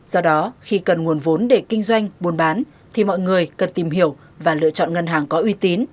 do đó khi cần nguồn vốn để kinh doanh buôn bán thì mọi người cần tìm hiểu và lựa chọn ngân hàng có uy tín